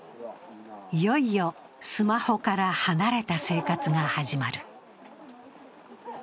いよいよスマホから離れた生活が始まる。